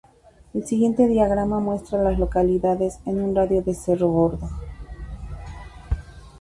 El siguiente diagrama muestra a las localidades en un radio de de Cerro Gordo.